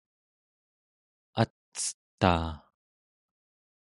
ac'etaa